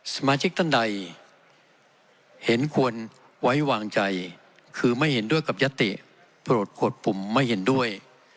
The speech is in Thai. สมาชิกท่านใดเห็นควรไว้วางใจคือไม่เห็นด้วยกับยติโปรดกดปุ่มไม่เห็นด้วย